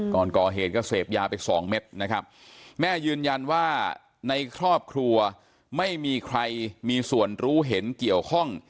ก่อนก่อเหตุก็เสพยาไปสองเม็ดนะครับแม่ยืนยันว่าในครอบครัวไม่มีใครมีส่วนรู้เห็นเกี่ยวข้อง